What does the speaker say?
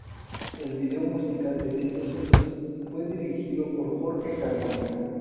El video musical de Cielo Sin Luz fue dirigido por Jorge Carmona.